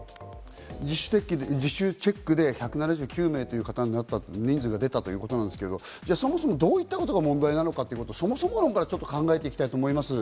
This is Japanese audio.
自主チェックで１７９名という人数が出たということですけど、そもそもどういったことが問題なのか、そもそも論から考えていきたいと思います。